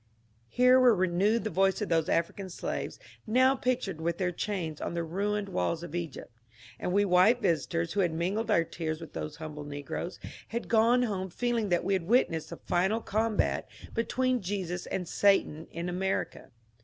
Here were renewed the voices of those African slaves now pictured with their chains on the ruined walls of Egypt ; and we white visitors who had mingled our tears with those humble negroes had gone home feeling that we had witnessed the final combat between Jesus and Satan in America.